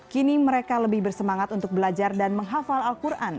kini mereka lebih bersemangat untuk belajar dan menghafal al quran